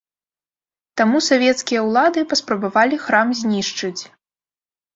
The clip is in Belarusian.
Таму савецкія ўлады паспрабавалі храм знішчыць.